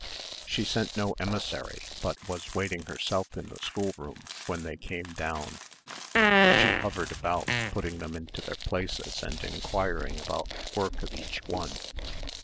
She sent no emissary but was waiting herself in the schoolroom when they came down. She hovered about putting them into their places and enquiring about the work of each one.